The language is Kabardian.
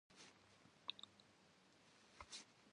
Guerefır guxelefşi, fereç'ır guimıç'ıjjş.